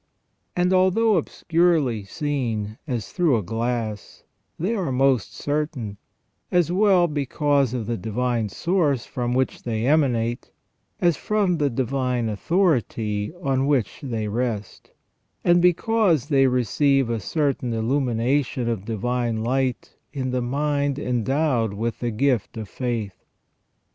And although obscurely seen as through a glass, they are most certain, as well because of the divine source from which they emanate, as from the divine authority on which they rest, and because they receive a certain illumination of divine light in the mind endowed with the gift of faith.